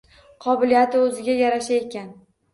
Qobiliyati o’ziga yarasha ekan.